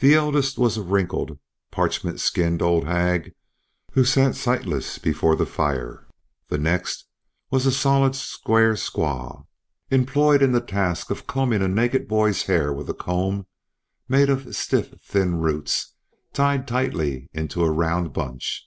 The eldest was a wrinkled, parchment skinned old hag who sat sightless before the fire; the next was a solid square squaw, employed in the task of combing a naked boy's hair with a comb made of stiff thin roots tied tightly in a round bunch.